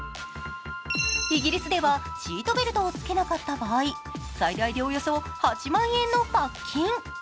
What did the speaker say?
イギリスでは、シートベルトをつけなかった場合、最大でおよそ８万円の罰金。